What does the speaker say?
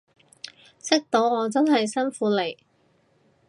識到我真係辛苦你